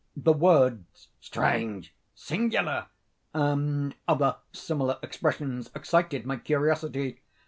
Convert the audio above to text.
The words "strange!" "singular!" and other similar expressions, excited my curiosity.